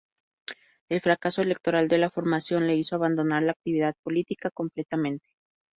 El fracaso electoral de la formación le hizo abandonar la actividad política completamente.